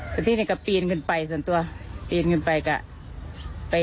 บอกส่วนตัวจริงกันไปก็ไป